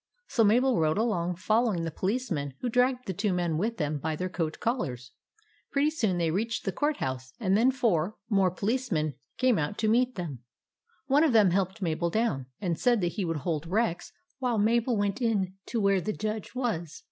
So Mabel rode along, following the police men, who dragged the two men with them by their coat collars. Pretty soon they reached the Court House, and then four REX PLAYS POLICEMAN n more policemen came out to meet them. One of them helped Mabel down, and said that he would hold Rex while Mabel went in to where the Judge was.